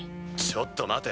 ちょっと待て。